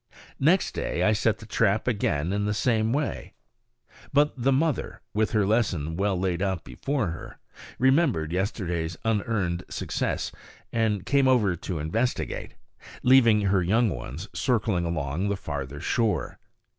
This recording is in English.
Next day I set the trap again in the same way. But the mother, with her lesson well laid out before her, remembered yesterday's unearned success and came over to investigate, leaving her young ones circling along the farther shore.